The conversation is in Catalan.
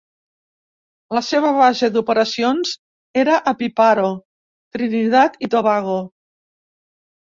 La seva base d'operacions era a Piparo, Trinidad i Tobago.